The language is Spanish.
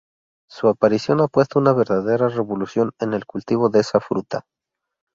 Su aparición ha supuesto una verdadera revolución en el cultivo de esta fruta.